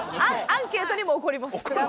アンケートにも怒ります。